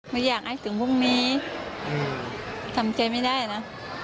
ไม่อยากให้ถึงพรุ่งนี้ทำใจไม่ได้นะ